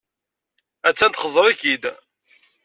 Attan txeẓẓer-ik-id.